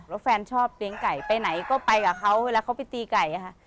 แล้วแฟนชอบเลี้ยงไก่ไปไหนก็ไปกับเขาเวลาเขาไปตีไก่ค่ะ